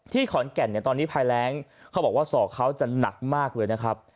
ขอนแก่นเนี่ยตอนนี้ภายแรงเขาบอกว่าศอกเขาจะหนักมากเลยนะครับ